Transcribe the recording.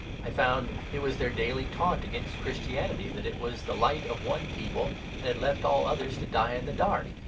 I found it was their daily taunt against Christianity that it was the light of one people and had left all others to die in the dark.